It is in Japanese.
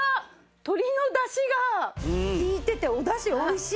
鶏のだしが利いてておだし美味しい。